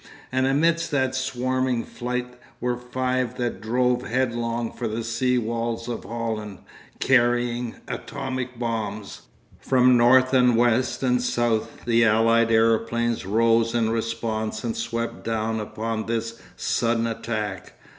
And amidst that swarming flight were five that drove headlong for the sea walls of Holland, carrying atomic bombs. From north and west and south, the allied aeroplanes rose in response and swept down upon this sudden attack.